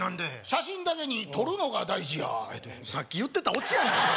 写真だけにとるのが大事やさっき言ってたオチやないか！